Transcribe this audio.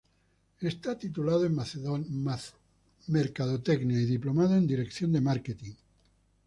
Es titulado en Mercadotecnia y diplomado en Dirección de Marketing.